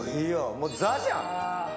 もう、ザじゃん。